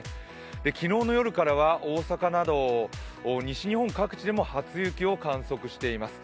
昨日の夜からは大阪など西日本各地でも初雪を観測しています。